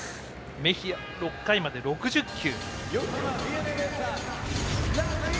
メヒア、６回まで６０球。